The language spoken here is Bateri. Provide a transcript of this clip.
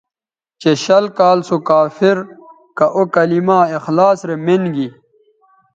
چہ شل کال سو کافر کہ او کلما اخلاص رے مین گی